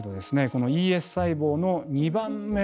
このＥＳ細胞の２番目の能力